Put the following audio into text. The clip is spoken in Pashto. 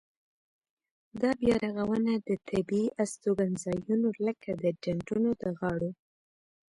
دا بیا رغونه د طبیعي استوګنځایونو لکه د ډنډونو د غاړو.